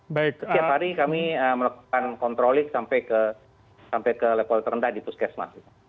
setiap hari kami melakukan kontrolik sampai ke level terendah di puskesmas